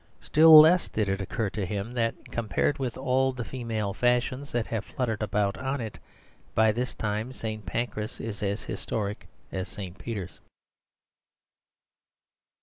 Still less did it occur to them that, compared with all the female fashions that have fluttered about on it, by this time St. Pancras is as historic as St. Peter's.